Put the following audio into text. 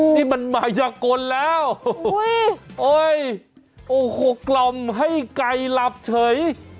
นี่มันมายากลแล้วโอ้โหกล่อมให้ไก่หลับเฉย